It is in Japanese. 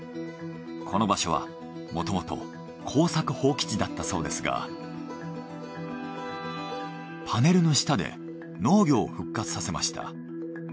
この場所はもともと耕作放棄地だったそうですがパネルの下で農業を復活させました。